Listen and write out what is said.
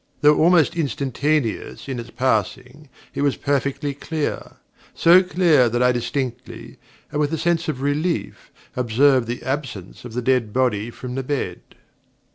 Though almost instantaneous in its passing, it was perfectly clear; so clear that I distinctly, and with a sense of relief, observed the absence of the dead body from the bed.